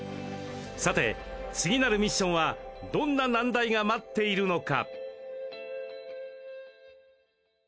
さて次なるミッションはどんな難題が待っているのか？